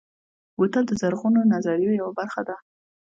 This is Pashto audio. بوتل د زرغونو نظریو یوه برخه ده.